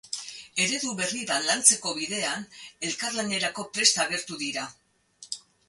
Eredu berri bat lantzeko bidean, elkarlanerako prest agertu dira.